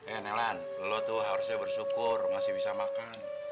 ya nelan lo tuh harusnya bersyukur masih bisa makan